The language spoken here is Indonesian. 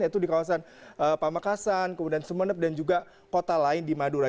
yaitu di kawasan pamekasan kemudian sumeneb dan juga kota lain di madura